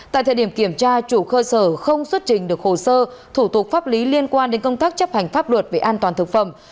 tại thời điểm kiểm tra chủ cơ sở không xuất trình được hồ sơ thủ tục pháp lý liên quan đến công tác chấp hành pháp luật về an toàn thực phẩm